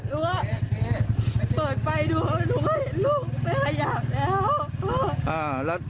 ลูกก็เปิดไปดูลูกก็เห็นลูกไปหยาบแล้ว